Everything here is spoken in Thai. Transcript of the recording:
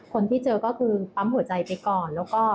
คนที่เจอก็คือปั๊มหัวใจไปก่อนแล้วก็